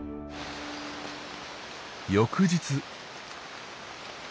翌日。